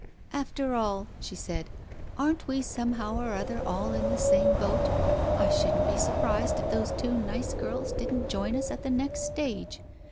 "After all," she said, "aren't we somehow or other all in the same boat ? I shouldn't be surprised if those two nice girls didn't join us at the next stage.